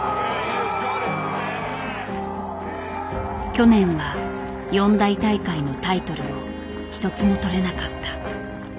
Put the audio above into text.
去年は四大大会のタイトルを一つも取れなかった。